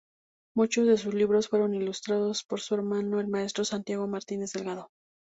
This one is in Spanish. Muchos de sus libros fueron ilustrados por su hermano el Maestro Santiago Martínez Delgado.